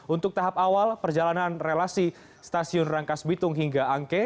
untuk tahap awal perjalanan relasi stasiun rangkas bitung hingga angke